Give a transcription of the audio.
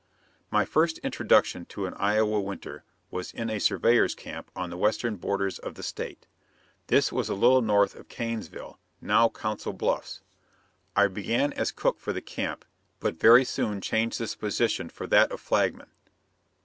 My first introduction to an Iowa winter was in a surveyor's camp on the western borders of the state. This was a little north of Kanesville, now Council Bluffs. I began as cook for the camp, but very soon changed this position for that of flagman.